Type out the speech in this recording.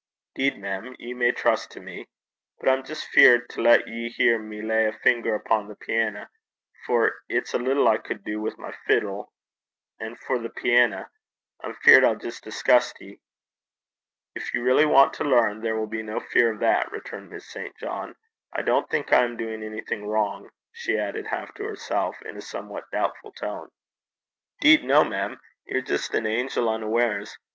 ''Deed, mem, ye may lippen (trust) to me. But I'm jist feared to lat ye hear me lay a finger upo' the piana, for it's little I cud do wi' my fiddle, an', for the piana! I'm feart I'll jist scunner (disgust) ye.' 'If you really want to learn, there will be no fear of that,' returned Miss St. John, guessing at the meaning of the word scunner. 'I don't think I am doing anything wrong,' she added, half to herself, in a somewhat doubtful tone. ''Deed no, mem. Ye're jist an angel unawares.